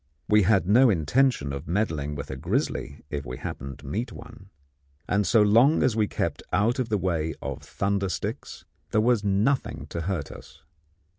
We had no intention of meddling with a grizzly if we happened to meet one, and so long as we kept out of the way of thunder sticks there was nothing to hurt us.